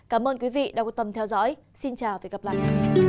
cảm ơn quý vị đã quan tâm theo dõi xin chào và hẹn gặp lại